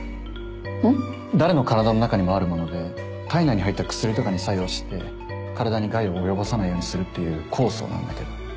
誰の体の中にもあるもので体内に入った薬とかに作用して体に害を及ぼさないようにするっていう酵素なんだけど。